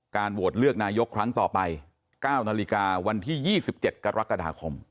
โหวตเลือกนายกครั้งต่อไป๙นาฬิกาวันที่๒๗กรกฎาคม